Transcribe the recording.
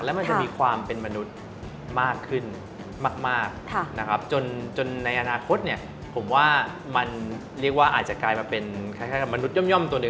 และมันจะมีความเป็นมนุษย์มากขึ้นมากจนในอนาคตผมว่ามันอาจจะกลายมาเป็นคล้ายมนุษย่อมตัวหนึ่ง